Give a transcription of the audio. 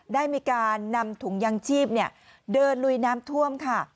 ได้มีการนำถุงยางชีพเดินลุยน้ำท่วมค่ะ